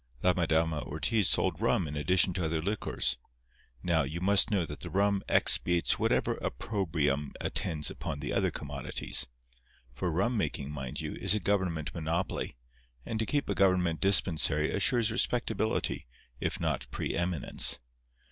La Madama Ortiz sold rum in addition to other liquors. Now, you must know that the rum expiates whatever opprobrium attends upon the other commodities. For rum making, mind you, is a government monopoly; and to keep a government dispensary assures respectability if not preëminence.